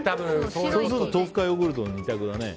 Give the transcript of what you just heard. そうすると豆腐かヨーグルトの２択だね。